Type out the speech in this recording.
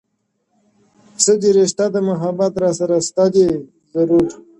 څهٔ دې رشته د محبــــــــــت راســره شته دې ضــــــرور